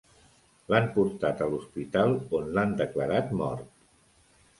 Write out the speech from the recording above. L'han portar a l'hospital, on l'han declarat mort.